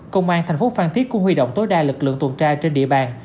công an thành phố phan thiết cũng huy động tối đa lực lượng tuần tra trên địa bàn